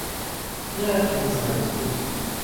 Я это знаю теперь.